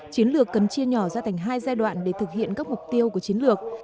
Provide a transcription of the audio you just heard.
chiến lược cần chia nhỏ ra thành hai giai đoạn để thực hiện các mục tiêu của chiến lược